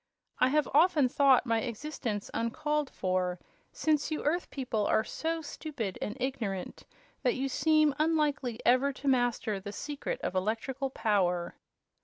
I have often thought my existence uncalled for, since you Earth people are so stupid and ignorant that you seem unlikely ever to master the secret of electrical power."